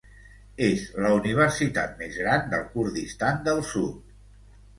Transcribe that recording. És la universitat més gran del Kurdistan del Sud.